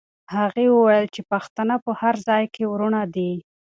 هغې وویل چې پښتانه په هر ځای کې وروڼه دي.